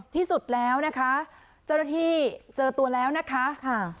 ที่สุดแล้วนะคะเจ้าหน้าที่เจอตัวแล้วนะคะค่ะ